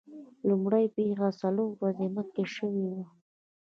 لومړۍ پیښه څلور ورځې مخکې شوې وه.